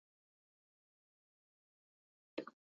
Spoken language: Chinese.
该党曾参加联合六月运动。